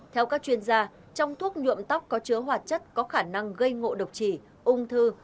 theo các chuyên gia trong thuốc nhuộm tóc có chứa hoạt chất có khả năng gây ngộ độc chỉ ung thư